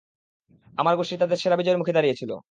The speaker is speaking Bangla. আমার গোষ্ঠী তাদের সেরা বিজয়ের মুখে দাঁড়িয়েছিল।